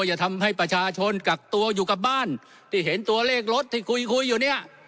อย่าทำให้ประชาชนกักตัวอยู่กับบ้านที่เห็นตัวเลขรถที่คุยคุยอยู่เนี่ย